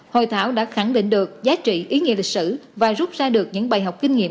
hội thảo đã khẳng định được giá trị ý nghĩa lịch sử và rút ra được những bài học kinh nghiệm